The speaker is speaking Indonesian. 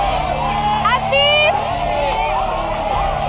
aku akan mencari